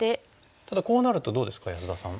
ただこうなるとどうですか安田さん。